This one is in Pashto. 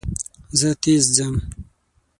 زه تېز ځم.